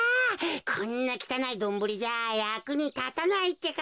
こんなきたないドンブリじゃやくにたたないってか。